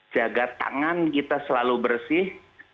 jaga tangan kita selalu bersih